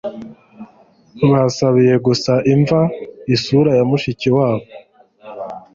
Basabiye gusa imva Isura ya mushikiwabo